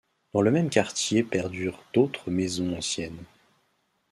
Dans le même quartier perdurent d'autres maisons anciennes.